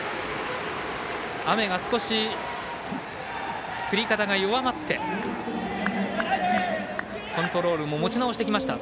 雨が少し降り方が弱まってコントロールも持ち直してきました。